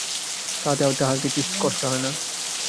তাহাতে তাহার কিছু কষ্ট হয় না।